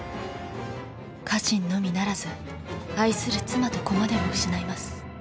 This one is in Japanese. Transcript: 家臣のみならず愛する妻と子までも失います。